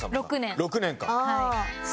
６年か。